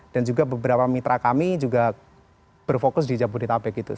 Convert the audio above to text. dan juga beberapa mitra kami juga berfokus di jabodetabek